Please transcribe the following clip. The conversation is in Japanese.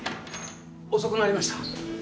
・遅くなりました。